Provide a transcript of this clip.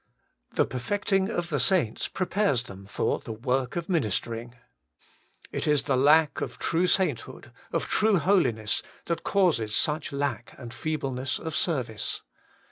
' The perfecting of the saints ' prepares them for the ' work of minister ing.' It is the lack of true sainthood, of true holiness, that causes such lack and fee bleness of service.